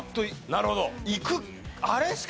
なるほど。